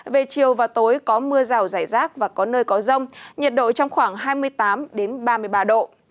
về chiều và tối có mưa rào rải rác và có nơi có rông nhiệt độ trong khoảng hai mươi tám ba mươi ba độ